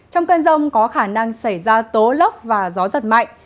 trong cơn rông có khả năng xảy ra tố lốc và gió giật mạnh